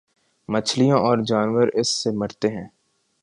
مچھلیاں اور جانور اس سے مرتے ہیں۔